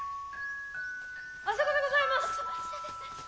あそこでございます！